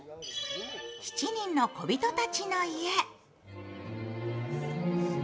７人のこびとたちの家。